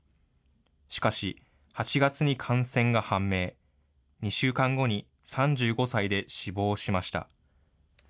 しかし、８月に感染が判明、２週間後に３５歳で死亡しました。